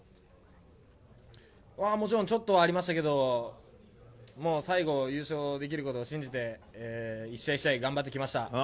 もちろんちょっと、ありましたけど、もう最後、優勝できることを信じて、一試合一試合頑張ってきました。